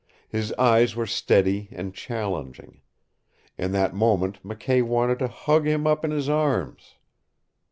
His eyes were steady and challenging. In that moment McKay wanted to hug him up in his arms.